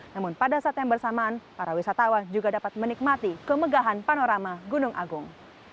namun pada saat yang bersamaan para wisatawan juga dapat menikmati kemegahan panorama gunung agung